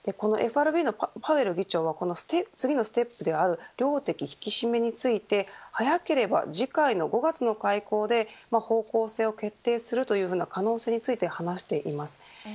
このＦＲＢのパウエル議長は次のステップである量的引き締めについて早ければ次回の５月の会合で方向性を決定するという可能性について話しています。